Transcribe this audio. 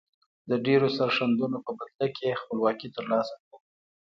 د ډیرو سرښندنو په بدله کې خپلواکي تر لاسه کړه.